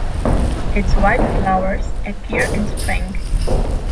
Its white flowers appear in spring.